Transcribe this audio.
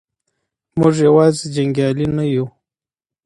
موږ یوازې جنګیالي نه یو.